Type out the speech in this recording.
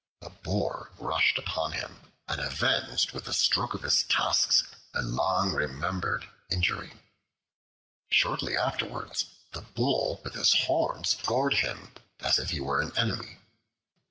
A Boar rushed upon him, and avenged with a stroke of his tusks a long remembered injury. Shortly afterwards the Bull with his horns gored him as if he were an enemy.